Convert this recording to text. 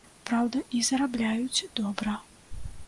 Праўда, і зарабляюць добра.